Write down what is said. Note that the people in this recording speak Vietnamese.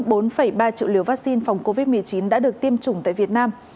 bốn ba triệu liều vaccine phòng covid một mươi chín đã được tiêm chủng tại việt nam